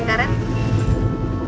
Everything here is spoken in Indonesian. pakai permen keren